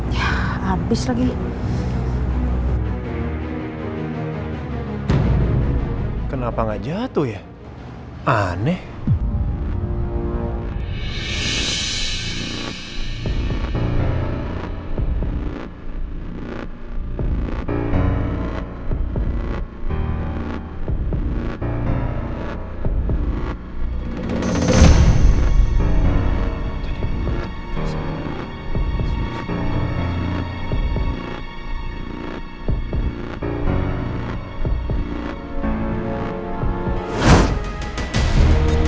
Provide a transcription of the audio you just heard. sebentar lagi kamu akan ketimpa pelang itu andien